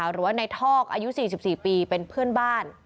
หรือว่าในทอกอายุ๔๔ปีเป็นเพื่อนบ้าน